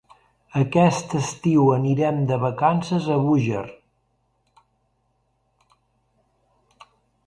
Aquest estiu anirem de vacances a Búger.